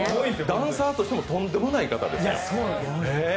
ダンサーとしてもとんでもない方ですよ。